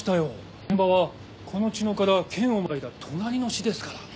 現場はこの茅野から県をまたいだ隣の市ですから。